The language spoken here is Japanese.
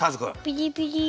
ピリピリ。